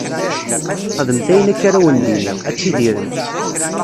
Xedmet ayen akka ara wen-d-iniɣ, ad tidirem.